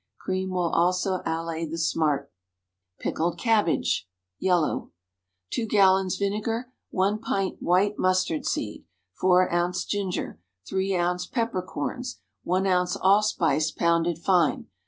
Cream will also allay the smart. PICKLED CABBAGE (Yellow.) 2 gallons vinegar. 1 pint white mustard seed. } 4 oz. ginger. } 3 oz. pepper corns. } 1 oz. allspice. } pounded fine.